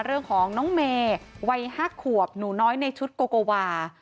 เรื่องของน้องเมย์วัย๕ขวบหนูน้อยในชุดโกโกวา